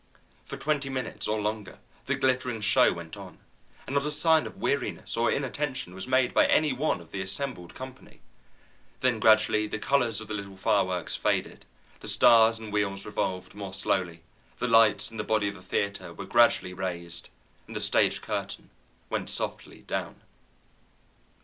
For twenty minutes or longer the glittering show went on, and not a sign of weariness or inattention was made by any one of the assembled company. Then gradually the colors of the little fireworks faded, the stars and wheels revolved more slowly, the lights in the body of the theatre were gradually raised, and the stage curtain went softly down.